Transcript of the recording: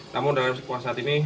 namun dalam sebuah saat ini